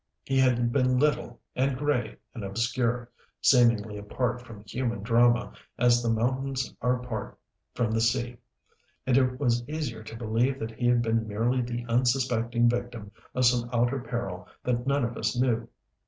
He had been little and gray and obscure, seemingly apart from human drama as the mountains are apart from the sea, and it was easier to believe that he had been merely the unsuspecting victim of some outer peril that none of us knew.